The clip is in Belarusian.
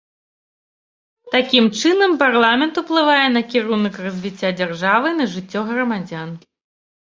Такім чынам парламент уплывае на кірунак развіцця дзяржавы і на жыццё грамадзян.